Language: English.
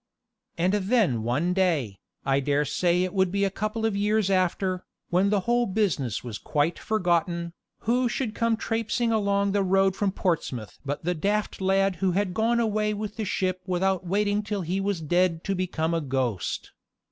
And then one day, I dare say it would be a couple of years after, when the whole business was quite forgotten, who should come trapesing along the road from Portsmouth but the daft lad who had gone away with the ship without waiting till he was dead to become a ghost.